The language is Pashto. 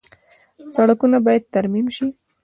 سړکونه باید ترمیم شي